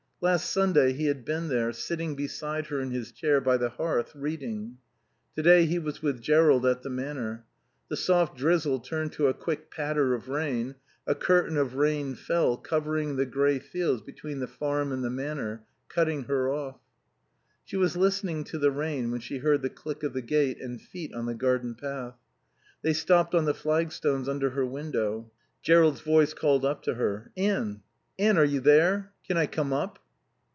Last Sunday he had been there, sitting beside her in his chair by the hearth, reading. Today he was with Jerrold at the Manor. The soft drizzle turned to a quick patter of rain; a curtain of rain fell, covering the grey fields between the farm and the Manor, cutting her off. She was listening to the rain when she heard the click of the gate and feet on the garden path. They stopped on the flagstones under her window. Jerrold's voice called up to her. "Anne Anne, are you there? Can I come up?"